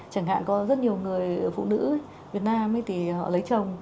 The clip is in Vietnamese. chẳng hạn có rất nhiều người phụ nữ việt nam thì họ lấy chồng